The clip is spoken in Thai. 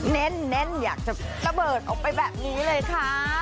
แน่นอยากจะระเบิดออกไปแบบนี้เลยค่ะ